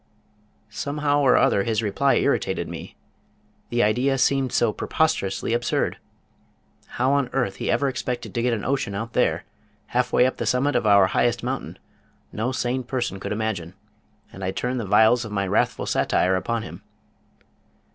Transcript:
Somehow or other his reply irritated me. The idea seemed so preposterously absurd. How on earth he ever expected to get an ocean out there, half way up the summit of our highest mountain, no sane person could imagine, and I turned the vials of my wrathful satire upon him.